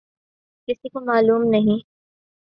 کسی کو معلوم نہیں۔